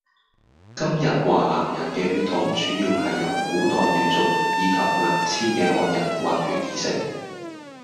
今日華南人嘅血統主要係由古代越族以及南遷嘅漢人混血而成